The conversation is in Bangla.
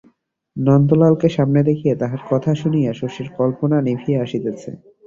নন্দলালকে সামনে দেখিয়া, তাহার কথা শুনিয়া, শশীর কল্পনা নিভিয়া আসিতেছে।